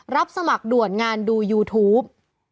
รับสมัครด่วนงานดูยูทูป